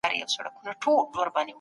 دولت باید د خلګو په ژوند کي بدلون راولي.